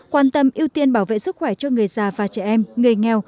quan tâm ưu tiên bảo vệ sức khỏe cho người già và trẻ em người nghèo